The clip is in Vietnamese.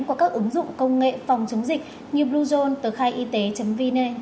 qua các ứng dụng công nghệ phòng chống dịch như bluezone tờ khai y tế vn